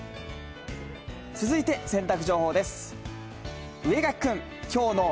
続いて洗濯情報です。